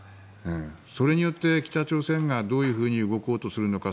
それによって北朝鮮がどういうふうに動こうとするのか